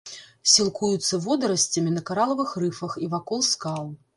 Сілкуюцца водарасцямі на каралавых рыфах і вакол скал.